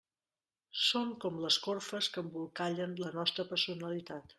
Són com les corfes que embolcallen la nostra personalitat.